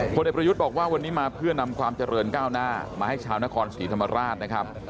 เด็กประยุทธ์บอกว่าวันนี้มาเพื่อนำความเจริญก้าวหน้ามาให้ชาวนครศรีธรรมราชนะครับ